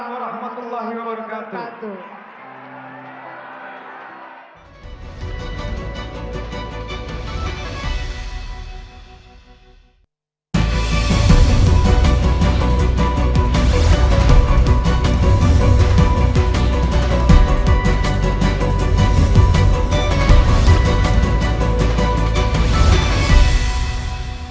waalaikumsalam warahmatullahi wabarakatuh